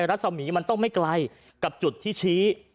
รัศมีร์มันต้องไม่ไกลกับจุดที่ชี้